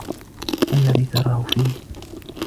ما الذي تراهُ فيه ؟